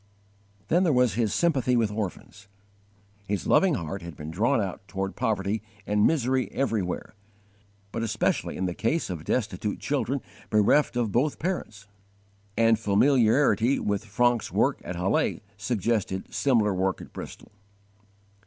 23. His sympathy with orphans. His loving heart had been drawn out toward poverty and misery everywhere, but especially in the case of destitute children bereft of both parents; and familiarity with Francke's work at Halle suggested similar work at Bristol.